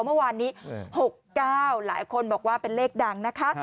เมื่อวานนี้๖๙หลายคนบอกว่าเป็นเลขดังนะคะ